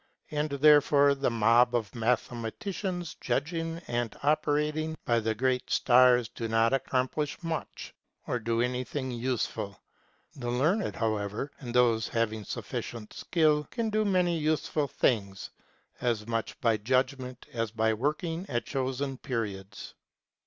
And therefore the mob of mathematicians judging and operating by the great stars do not accomplish much, or do anything useful ; the learned, however, and those having sufficient skill, can do many useful things, as much by judgment as by working at chosen periods.